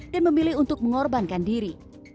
dan memilih untuk mengorbankan diri